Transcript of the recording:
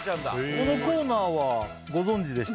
このコーナーはご存じでしたか？